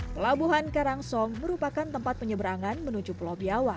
pelabuhan karangsong merupakan tempat penyeberangan menuju pulau biawak